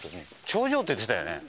頂上って言ってたよね？